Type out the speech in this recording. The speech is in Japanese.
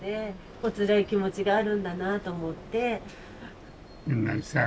おつらい気持ちがあるんだなあと思って。